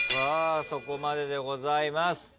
そこまででございます。